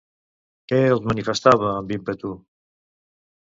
Què els manifestava amb ímpetu?